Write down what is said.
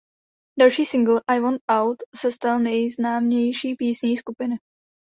Další singl „I Want Out“ se stal nejznámější písní skupiny.